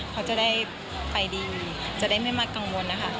เขาจะได้ไปดีจะได้ไม่มากังวลนะคะ